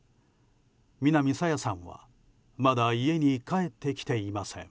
南朝芽さんはまだ家に帰ってきていません。